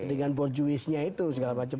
dengan bourgeoisnya itu segala macam